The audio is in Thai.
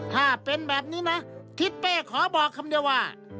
ถ้าเป็นแบบนี้นะทิศเป้ขอบอกคำเดียวว่า